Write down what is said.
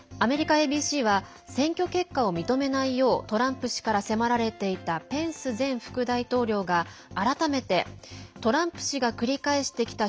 ＡＢＣは選挙結果を認めないようトランプ氏から迫られていたペンス前副大統領が、改めてトランプ氏が繰り返してきた